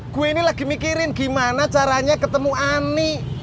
gue ini lagi mikirin gimana caranya ketemu ani